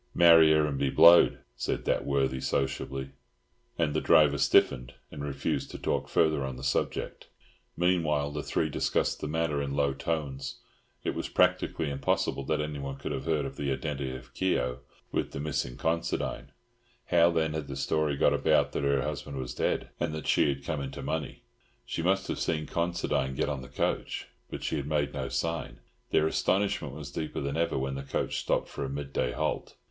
"Marry her, and be blowed," said that worthy, sociably; and the driver stiffened and refused to talk further on the subject. Meanwhile the three discussed the matter in low tones. It was practically impossible that anyone could have heard of the identity of Keogh with the missing Considine. How then had the story got about that her husband was dead, and that she had come into money? She must have seen Considine get on the coach, but she had made no sign. Their astonishment was deeper than ever when the coach stopped for a midday halt.